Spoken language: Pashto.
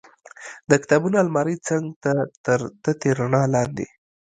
د کتابونو المارۍ څنګ ته تر تتې رڼا لاندې.